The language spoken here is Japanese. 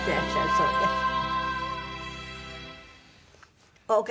そうですね。